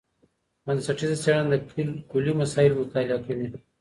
بنسټیزه څېړنه د کلي مسایلو مطالعه کوي.